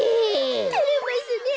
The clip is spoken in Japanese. てれますねえ。